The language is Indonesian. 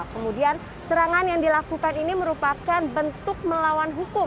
kemudian serangan yang dilakukan ini merupakan bentuk melawan hukum